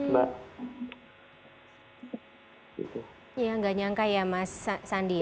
ya nggak nyangka ya mas sandi